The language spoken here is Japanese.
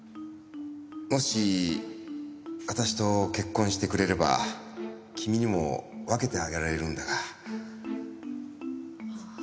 もし私と結婚してくれれば君にも分けてあげられるんだが。